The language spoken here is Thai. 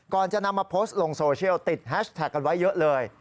ก่อนจะนำมาโพสต์ลงโซเชียลติดแฮชแท็กกันไว้เยอะเลย